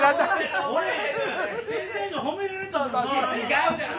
俺先生に褒められたんだから。